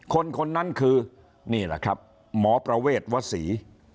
คนคนนั้นคือนี่แหละครับหมอประเวทวศรี